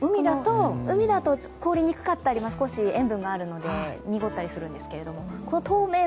海だと凍りにくかったり塩分があるので濁ったりするんですが。